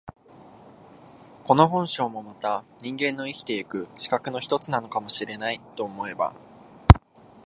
この本性もまた人間の生きて行く資格の一つなのかも知れないと思えば、